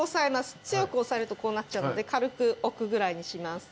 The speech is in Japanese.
強く押さえるとこうなっちゃうので軽く置くぐらいにします。